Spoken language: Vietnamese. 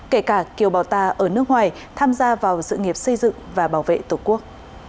kể cả kiều bào ta ở nước ngoài tham gia vào sự nghiệp xây dựng và bảo vệ tổ quốc